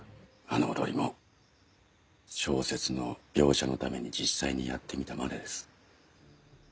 あの踊りも小説の描写のために実際にやってみたまでです。